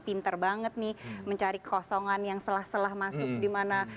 pinter banget nih mencari kosongan yang selah selah masuk dimana